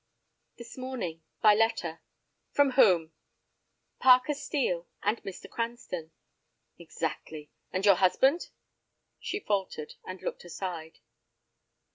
"This morning, by letter." "From whom?" "Parker Steel and Mr. Cranston." "Exactly. And your husband?" She faltered, and looked aside.